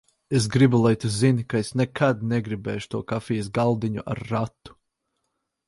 Es gribu, lai tu zini, ka es nekad negribēšu to kafijas galdiņu ar ratu.